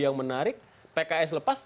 yang menarik pks lepas